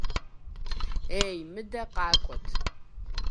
Ей, мыдэ къакӏуэт!